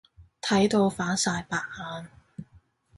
睇到反晒白眼。